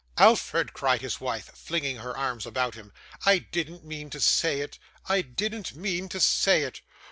'Alfred,' cried his wife, flinging her arms about him, 'I didn't mean to say it, I didn't mean to say it!